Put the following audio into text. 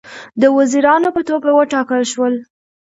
د وزیرانو په توګه وټاکل شول.